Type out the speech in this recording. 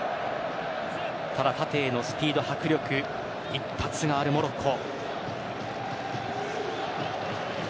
ただ、縦へのスピード、迫力一発があるモロッコ。